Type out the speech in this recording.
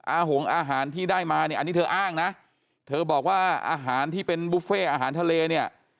หงอาหารที่ได้มาเนี่ยอันนี้เธออ้างนะเธอบอกว่าอาหารที่เป็นบุฟเฟ่อาหารทะเลเนี่ย